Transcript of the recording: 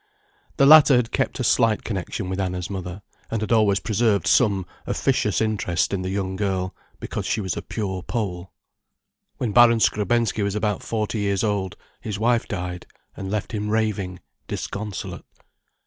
The latter had kept a slight connection with Anna's mother, and had always preserved some officious interest in the young girl, because she was a pure Pole. When Baron Skrebensky was about forty years old, his wife died, and left him raving, disconsolate.